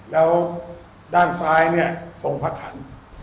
แล้วด้านซ้ายเนี่ยทรงพระถัน